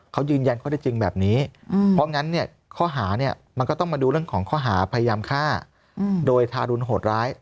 เขายืนยันข้อได้จริงแบบนี้เพราะงั้นเนี่ยข้อหาเนี่ยมันก็ต้องมาดูเรื่องของข้อหาพยายามฆ่าโดยทารุณโหดร้าย